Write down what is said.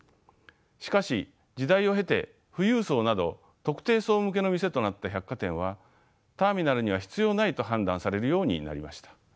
しかし時代を経て富裕層など特定層向けの店となった百貨店はターミナルには必要ないと判断されるようになりました。